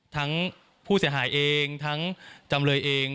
ทั้งผู้เสียหายเองทั้งจำเลยเอง